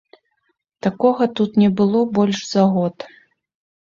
Такога тут не было больш за год.